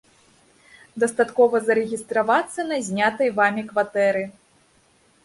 Дастаткова зарэгістравацца на знятай вамі кватэры.